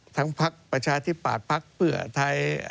ทั้งภาคประชาธิปาศภาคเผื่อไทย